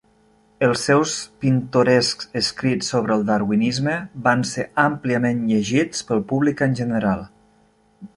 Els seus pintorescs escrits sobre el Darwinisme van ser àmpliament llegits pel públic en general.